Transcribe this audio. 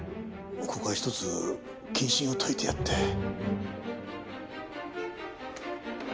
ここはひとつ謹慎を解いてやって。